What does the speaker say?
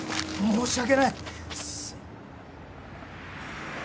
申し訳ない。